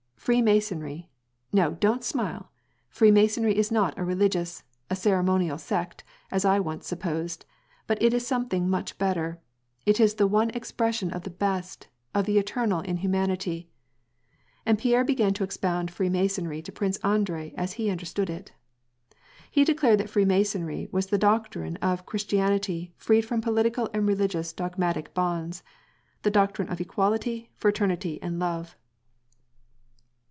— Freemasonry ! No, don't smile ! Freemasonry is not a religious, a ceremonial sect, as I once supposed, but it is some> thing much better, it is the one expression of the best, of the eternal in humanity." And Pierre began to expound Freemasonry to Prince Andrei as he understood it. He declared that Freemasonry was the doctrine of Christian ity freed from political and religious dogmatic bonds : the doc trine of equality, fraternity, and love.